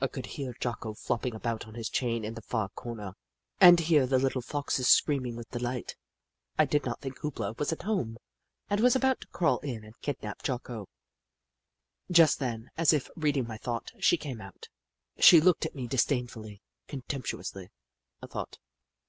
I could hear Jocko flopping about on his chain in the far corner, and hear the little Foxes screaming with delight. I did not think Hoop La was at Hoop La i6i home, and was about to crawl in and kidnap Jocko. Just then, as if reading my thought, she came out. She looked at me disdainfully — contemptu ously, I thought.